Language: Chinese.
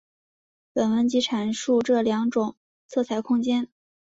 本文即阐述这两种色彩空间。